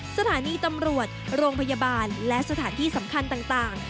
สถานีตำรวจโรงพยาบาลและสถานที่สำคัญต่าง